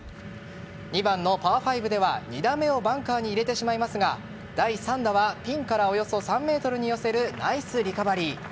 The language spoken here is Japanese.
２番のパー５では２打目をバンカーに入れてしまいますが第３打はピンからおよそ３ｍに寄せるナイスリカバリー。